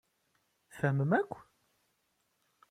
Tfehmem akk?